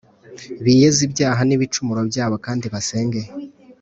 Biyeze ibyaha nibicumuro byabo kandi basenge